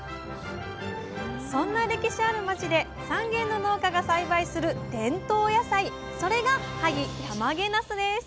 そんな歴史ある町で３軒の農家が栽培する伝統野菜それが萩たまげなすです